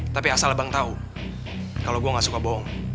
tapi asal abang tahu kalau gue gak suka bohong